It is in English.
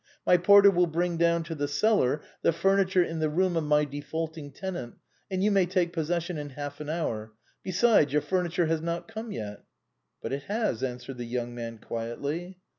" My porter will bring down to the cellar the furni ture in the room of my defaulting tenant, and you may take possession in half an hour. Beside, your furniture has not come yet." " But it has," answered the young man quietly.